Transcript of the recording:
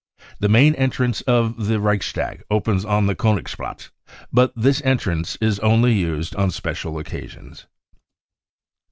The main en trance to the Reichstag opens on the Koenigsplatz, but this entrance is only used on special occasions.